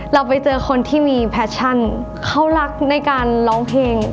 เราไปเจอคนที่มีแฟชั่นเขารักในการร้องเพลง